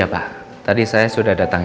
ya udah tadi riki sudah selesai penebangan